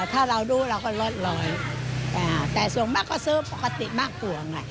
ถ้าเราดูเราก็ลดลอยแต่ส่วนมากก็ซื้อปกติมากกว่าไง